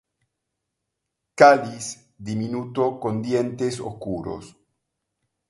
Cáliz diminuto con dientes oscuros.